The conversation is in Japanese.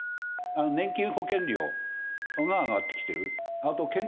あと健康保険料が上がってきてる。